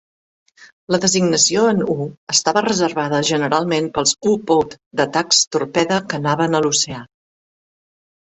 La designació en U estava reservada generalment pels u-boot d'atacs torpede que anaven a l'oceà.